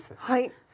はい！